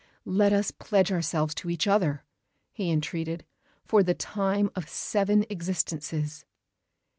"Let us pledge ourselves to each other," he entreated, "for the time of seven existences."